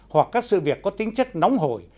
hoặc các sự việc có tính chất nóng hồi